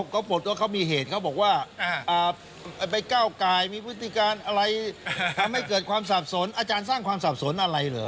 ก็ปรากฏว่าเขามีเหตุเขาบอกว่าไปก้าวกายมีพฤติการอะไรทำให้เกิดความสับสนอาจารย์สร้างความสับสนอะไรเหรอ